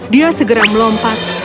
dia segera melompat